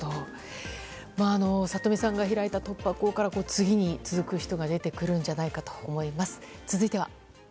里見さんが開いた突破口から次に続く人が出てくるんじゃないかと思います。